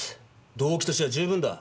動機としては十分だ。